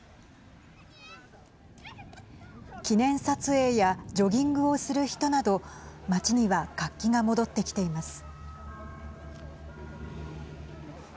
記念撮影やジョギングをする人など街には活気が戻ってきています。